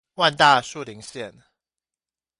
萬大樹林線